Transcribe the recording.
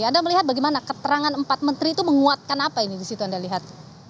anda melihat bagaimana keterangan empat menteri itu menguatkan apa ini disitu anda lihat